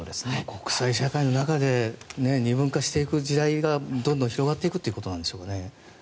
国際社会の中で二分化していく時代がどんどん広がっていくということですよね。